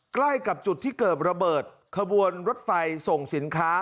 ใกล้กับจุดที่เกิดระเบิดขบวนรถไฟส่งสินค้า